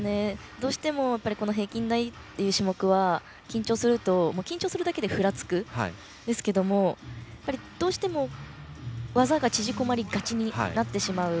どうしても平均台という種目は緊張するだけでふらつくんですけどもどうしても技が縮こまりがちになってしまう。